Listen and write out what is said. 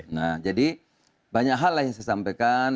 nah jadi banyak hal lah yang saya sampaikan